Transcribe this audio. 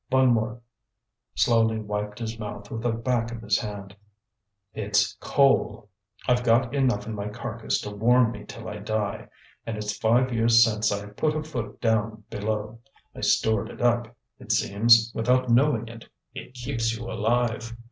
Bonnemort slowly wiped his mouth with the back of his hand. "It's coal. I've got enough in my carcass to warm me till I die. And it's five years since I put a foot down below. I stored it up, it seems, without knowing it; it keeps you alive!"